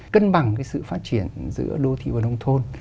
cân bằng cái sự phát triển giữa đô thị và nông thôn